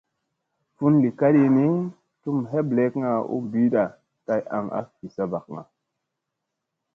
Fun li kaɗi ni, tlum heɓlekga u ɓiida kay aŋ a fi saɓakga.